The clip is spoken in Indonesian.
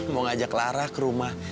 mau ngajak lara ke rumah